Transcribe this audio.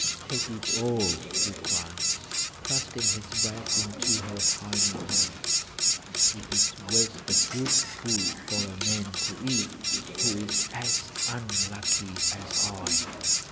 'Take it all!' he cried, thrusting his bread into her tiny hands. 'It is waste of good food for a man to eat who is as unlucky as I.'